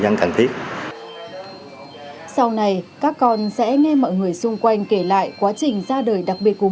đang cần tiếp sau này các con sẽ nghe mọi người xung quanh kể lại quá trình ra đời đặc biệt của